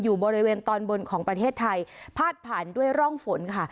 อยู่บริเวณตอนบนของประเทศไทยพาดผ่านด้วยร่องฝนค่ะ